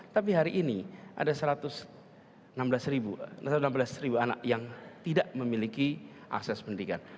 tapi hari ini ada satu ratus enam belas anak yang tidak memiliki akses pendidikan